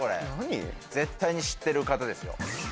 絶対に知ってる方ですよ。